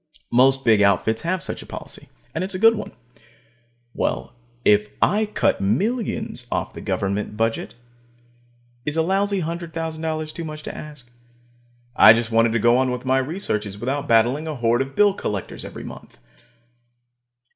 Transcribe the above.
Most big outfits have such a policy, and it's a good one. Well, if I cut millions off the government budget, is a lousy $100,000 too much to ask? I just wanted to go on with my researches without battling a horde of bill collectors every month.